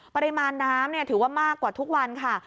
ปริมาณน้ำถือว่ามากกว่าทุกวันค่ะ